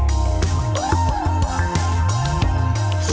เดี๋ยวเราลองนิดเนี่ย